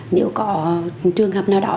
nếu có trường hợp nào đó